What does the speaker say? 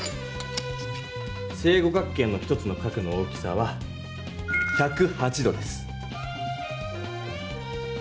正五角形の１つの角の大きさは１０８度です。